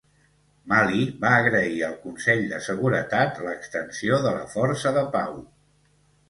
Mali va agrair al Consell de Seguretat l'extensió de la força de pau.